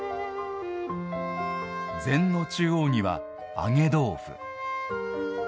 膳の中央には、揚げ豆腐。